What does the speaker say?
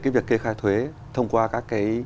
cái việc kê khai thuế thông qua các cái